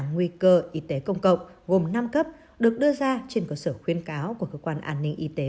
nguy cơ y tế công cộng gồm năm cấp được đưa ra trên cơ sở khuyên cáo của cơ quan an ninh y tế